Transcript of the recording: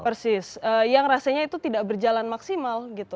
persis yang rasanya itu tidak berjalan maksimal gitu